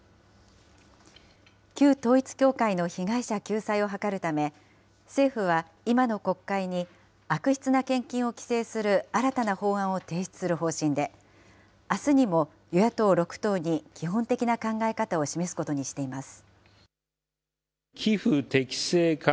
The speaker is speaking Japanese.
旧統一教会の被害者救済を図るため、政府は今の国会に悪質な献金を規制する新たな法案を提出する方針で、あすにも与野党６党に基本的な考え方を示すことにしています。